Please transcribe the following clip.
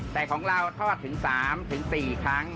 แต่ของเราทอดถึง๓๔ครั้ง